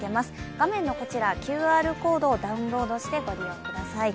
画面のこちらＱＲコードをダウンロードしてご利用ください。